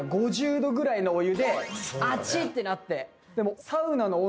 アチってなって。